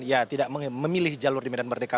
ya tidak memilih jalur di medan merdeka